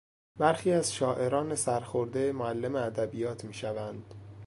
برخی از شاعران سرخورده معلم ادبیات میشوند.